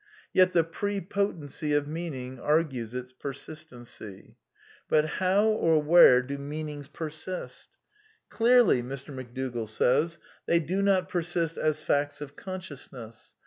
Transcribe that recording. Yet the pre potency of meaning argues its persist ency. But — how or where do meanings persist t " Clearly," Mr. McDougall says, " they do not persist as f actd^ of consciousness.